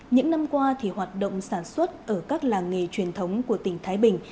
những năm qua thì hoạt động sản xuất ở các làng nghề truyền thống của tỉnh thái bình